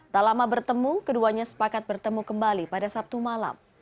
tak lama bertemu keduanya sepakat bertemu kembali pada sabtu malam